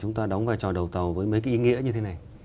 chúng ta đóng vai trò đầu tàu với mấy cái ý nghĩa như thế này